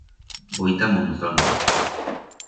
Voi ta Monzón.